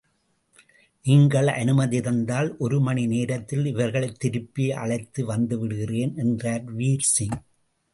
நீங்கள் அனுமதி தந்தால் ஒரு மணி நேரத்தில் இவர்களைத் திருப்பி அழைத்து வந்துவிடுகிறேன் என்றார் வீர்சிங்.